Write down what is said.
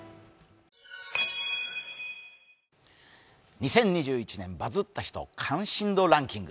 ２０２１年「バズった人関心度ランキング」